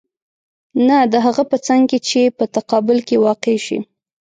نه د هغه په څنګ کې چې په تقابل کې واقع شي.